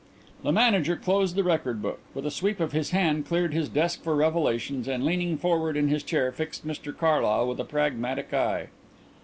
The Manager closed the record book, with a sweep of his hand cleared his desk for revelations, and leaning forward in his chair fixed Mr Carlyle with a pragmatic eye.